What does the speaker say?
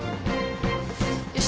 よし。